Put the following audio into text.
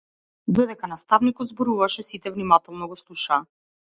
Додека наставникот зборуваше сите внимателно го слушаа.